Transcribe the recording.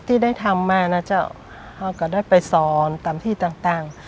ที่ได้ทำมานะเจ้าพ่อก็ได้ไปสอนตามที่ต่าง